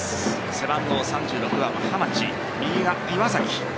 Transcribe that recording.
背番号３６が浜地右が岩崎。